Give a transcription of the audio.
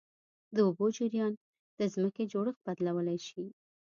د اوبو جریان د ځمکې جوړښت بدلولی شي.